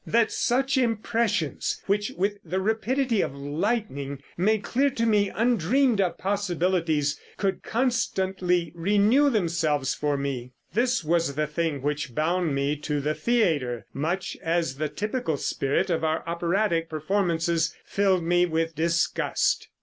"That such impressions, which, with the rapidity of lightning, made clear to me undreamed of possibilities, could constantly renew themselves for me this was the thing which bound me to the theater, much as the typical spirit of our operatic performances filled me with disgust.